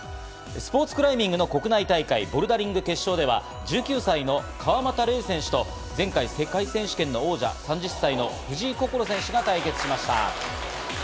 スポーツクライミングの国内大会、ボルダリング決勝では、１９歳の川又玲瑛選手と前回の世界選手権王者、３０歳の藤井快選手が対決しました。